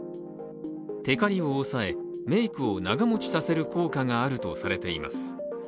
テカリを抑え、メイクを長持ちさせる効果があるとされています。